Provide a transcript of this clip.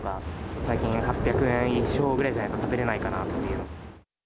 最近８００円以上ぐらいじゃないと食べられないかなっていう。